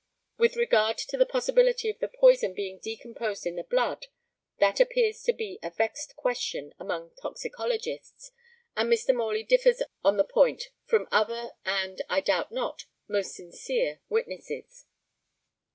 With regard to the possibility of the poison being decomposed in the blood, that appears to be a vexed question among toxicologists, and Mr. Morley differs on the point from other and, I doubt not, most sincere witnesses.